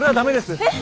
えっ。